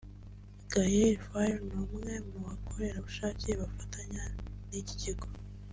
Gael Faye n'umwe mu bakorerabushake bafatanya n'iki kigo